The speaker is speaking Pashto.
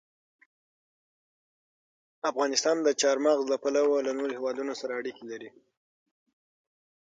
افغانستان د چار مغز له پلوه له نورو هېوادونو سره اړیکې لري.